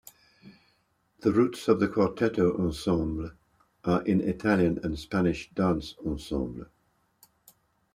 The roots of the cuarteto ensemble are in Italian and Spanish dance ensembles.